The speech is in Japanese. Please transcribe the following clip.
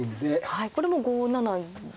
はいこれも５七銀。